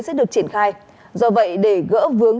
sẽ được triển khai do vậy để gỡ vướng